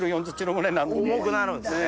重くなるんですね。